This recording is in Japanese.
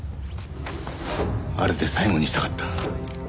あれで最後にしたかった。